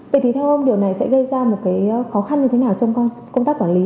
vậy thì theo ông điều này sẽ gây ra một cái khó khăn như thế nào trong công tác quản lý